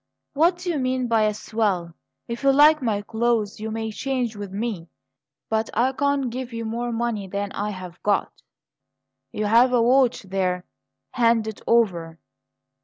"What do you mean by a swell? If you like my clothes you may change with me, but I can't give you more money than I have got." "You have a watch there. Hand it over."